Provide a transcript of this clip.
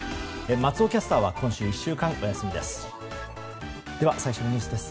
松尾キャスターは今週１週間、お休みです。